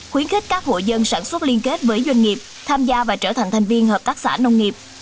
khuyến khích các hộ dân sản xuất liên kết với doanh nghiệp tham gia và trở thành thành viên hợp tác xã nông nghiệp